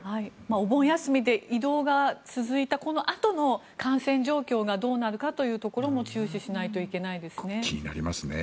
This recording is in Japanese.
お盆休みで移動が続いたこのあとの感染状況がどうなるかというところも注視しないといけないですね。